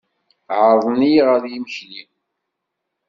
Ɛerḍen-iyi ɣer yimekli.